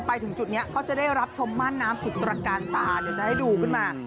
ไปถึงจุดนี้เขาจะได้รับชมม่านน้ำสุดตระการตาเดี๋ยวจะได้ดูขึ้นมา